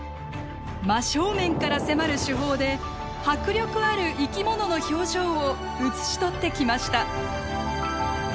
真正面から迫る手法で迫力ある生きものの表情を写し取ってきました。